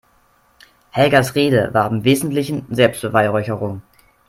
Helgas Rede war im Wesentlichen Selbstbeweihräucherung.